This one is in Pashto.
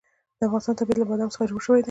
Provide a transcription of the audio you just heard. د افغانستان طبیعت له بادام څخه جوړ شوی دی.